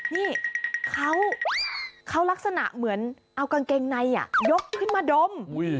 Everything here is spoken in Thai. นี่เขาลักษณะเหมือนเอากางเกงในยกขึ้นมาดม